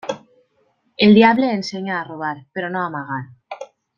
El diable ensenya a robar, però no a amagar.